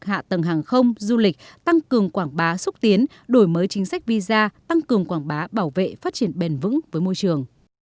hạ tầng hàng không du lịch tăng cường quảng bá xúc tiến đổi mới chính sách visa tăng cường quảng bá bảo vệ phát triển bền vững với môi trường